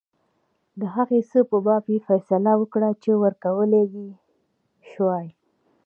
د هغه څه په باب یې فیصله وکړه چې ورکولای یې شوای.